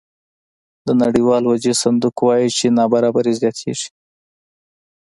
د نړیوال وجهي صندوق وایي چې نابرابري زیاتېږي